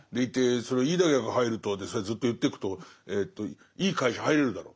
いい大学入るとでそれをずっと言ってくといい会社入れるだろ。